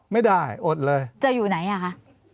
ไม่ได้อดเลยจะอยู่ไหนอ่ะคะ